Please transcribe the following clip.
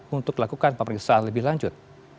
untuk melakukan pemeriksaan lebih lanjut